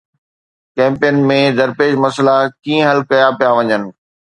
ڪئمپن ۾ درپيش مسئلا ڪيئن حل ڪيا پيا وڃن؟